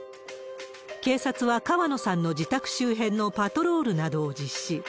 警察は川野さんの自宅周辺のパトロールなどを実施。